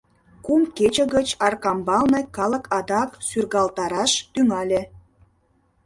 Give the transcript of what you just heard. Кум кече гыч Аркамбалне калык адак сӱргалтараш тӱҥале...